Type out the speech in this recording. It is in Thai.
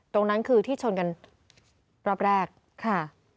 ตรงนั้นคือที่ชนกันรอบแรกค่ะ